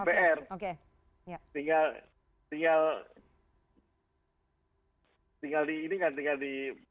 tinggal di ini kan tinggal di